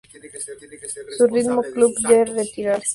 Su último club antes de retirarse fue Newell's Old Boys.